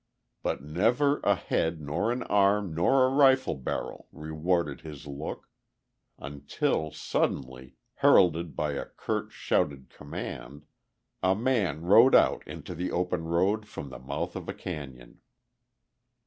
But never a head nor an arm nor a rifle barrel rewarded his look. Until, suddenly, heralded by a curt shouted command, a man rode out into the open road from the mouth of a cañon.